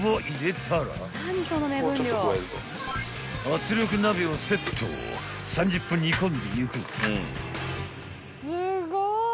［圧力鍋をセット３０分煮込んでいく］